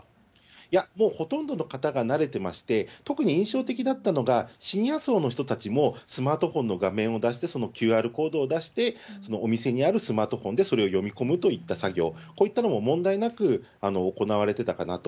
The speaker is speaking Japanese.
いや、もうほとんどの方が慣れてまして、特に印象的だったのが、シニア層の人たちもスマートフォンの画面を出して、そのＱＲコードを出して、お店にあるスマートフォンで読み込むっていう作業、こういったのも問題なく行われてたかなと。